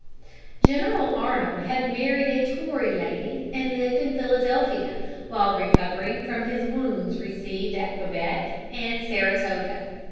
General Arnold had married a Tory lady, and lived in Philadelphia while recovering from his wounds received at Quebec and Saratoga.